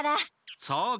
そうか。